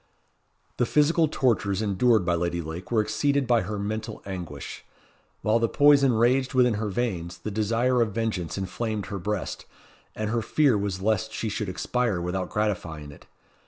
The physical tortures endured by Lady Lake were exceeded by her mental anguish. While the poison raged within her veins, the desire of vengeance inflamed her breast; and her fear was lest she should expire without gratifying it.